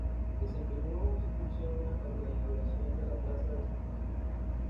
Desempeñó esa función hasta que la inauguración de la plaza de San Francisco.